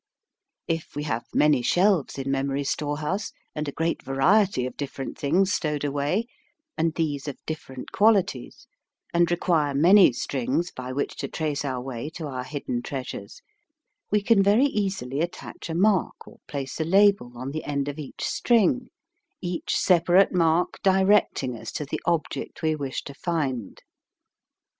If we have many shelves in memory's storehouse, and a great variety of different things stowed away, and these of different qualities, and require many strings by which to trace our way to our hidden treasures, we can very easily attach a mark or place a label on the end of each string, each separate mark di recting us to the object we wish to find.